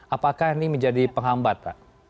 apakah ini menjadi penghambat